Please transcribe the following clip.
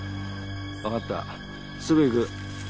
わかったすぐ行く。